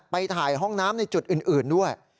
ไปถ่ายห้องน้ำในจุดอื่นด้วย